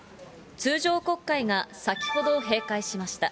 通常国会が先ほど閉会しました。